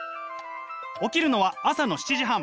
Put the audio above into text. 起きるのは朝の７時半。